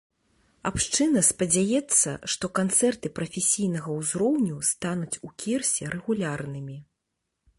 Абшчына спадзяецца, што канцэрты прафесійнага ўзроўню стануць у кірсе рэгулярнымі.